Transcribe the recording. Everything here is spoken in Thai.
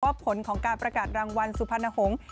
ผลของการประกาศรางวัลสุพรรณหงษ์